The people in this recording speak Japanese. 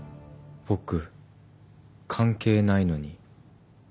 僕関係ないのに。